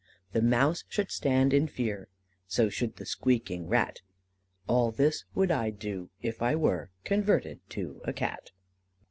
"The Mouse should stand in Feare, So should the squeaking Rat; All this would I doe if I were Converted to a Cat."